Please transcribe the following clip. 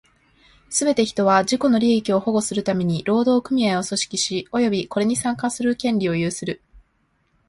すべて人は、自己の利益を保護するために労働組合を組織し、及びこれに参加する権利を有する。